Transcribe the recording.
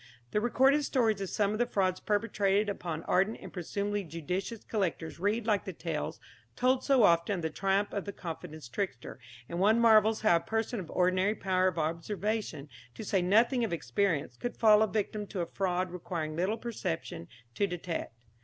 The recorded stories of some of the frauds perpetrated upon ardent and presumably judicious collectors read like the tales told so often of the triumph of the confidence trickster, and one marvels how a person of ordinary power of observation, to say nothing of experience, could fall a victim to a fraud requiring little perception to detect.